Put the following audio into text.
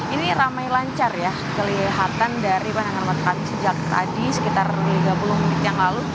ini ramai lancar ya kelihatan dari pandangan mata kami sejak tadi sekitar tiga puluh menit yang lalu